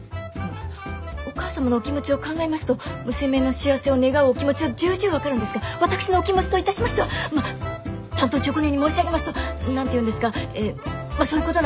お母様のお気持ちを考えますと娘の幸せを願うお気持ちは重々分かるんですが私のお気持ちといたしましては単刀直入に申し上げますと何て言うんですかえぇまぁそういうことなんです。